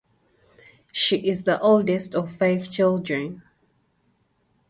She is the oldest of five children.